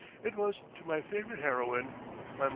It was: "To my favorite Heroine My Mother."